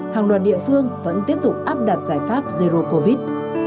hàng loạt địa phương vẫn tiếp tục áp đặt giải pháp zero covid